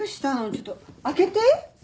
ちょっと開けて。